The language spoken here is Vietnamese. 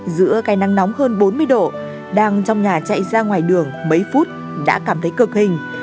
giữa cây nắng nóng hơn bốn mươi độ đang trong nhà chạy ra ngoài đường mấy phút đã cảm thấy cực hình